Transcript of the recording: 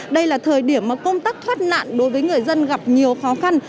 đây là thời điểm mà công tác thoát nạn đối với người dân gặp nhiều khó khăn